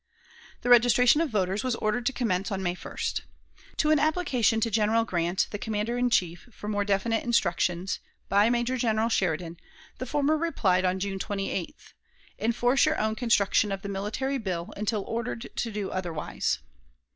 The registration of voters was ordered to commence on May 1st. To an application to General Grant, the commander in chief, for more definite instructions, by Major General Sheridan, the former replied on June 28th: "Enforce your own construction of the military bill, until ordered to do otherwise."